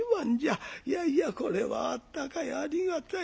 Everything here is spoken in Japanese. いやいやこれはあったかいありがたい。